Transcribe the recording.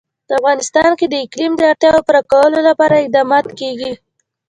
په افغانستان کې د اقلیم د اړتیاوو پوره کولو لپاره اقدامات کېږي.